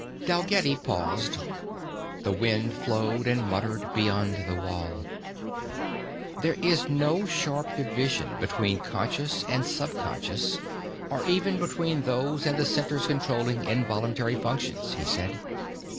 Dalgetty paused. The wind flowed and muttered beyond the wall. "There is no sharp division between conscious and subconscious or even between those and the centers controlling involuntary functions," he said.